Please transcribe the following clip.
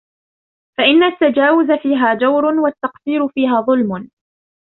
فَإِنَّ التَّجَاوُزَ فِيهَا جَوْرٌ ، وَالتَّقْصِيرَ فِيهَا ظُلْمٌ